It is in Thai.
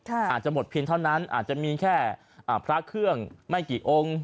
อาจจะหมดเพียงเท่านั้นอาจจะมีแค่พระเครื่องไม่กี่องค์